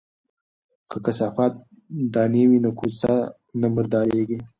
که کثافات دانی وي نو کوڅه نه مرداریږي.